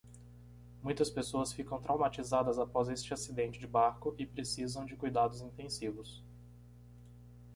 Muitas pessoas ficam traumatizadas após este acidente de barco e precisam de cuidados intensivos.